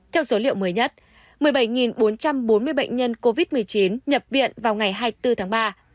theo số liệu mới nhất một mươi bảy bốn trăm bốn mươi bệnh nhân covid một mươi chín nhập viện vào ngày hai mươi bốn tháng ba